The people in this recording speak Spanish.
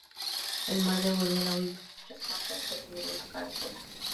El mar devuelve a la orilla muchas conchas pero ninguna caracola.